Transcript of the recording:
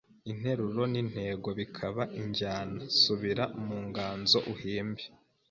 Interuro n'intego bikaba injyana Subira mu nganzo uhimbe